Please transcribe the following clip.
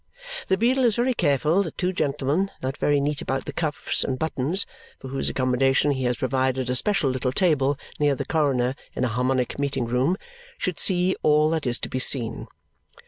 The beadle is very careful that two gentlemen not very neat about the cuffs and buttons (for whose accommodation he has provided a special little table near the coroner in the Harmonic Meeting Room) should see all that is to be seen.